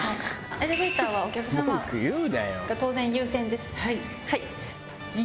エレベーターはお客様が当然優先です。